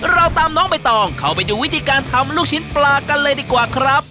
เราตามน้องใบตองเข้าไปดูวิธีการทำลูกชิ้นปลากันเลยดีกว่าครับ